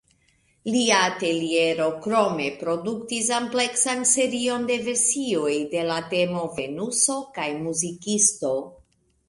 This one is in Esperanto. Lia ateliero krome produktis ampleksan serion de versioj de la temo Venuso kaj muzikisto.